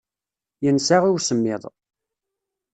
Yensa i usemmiḍ.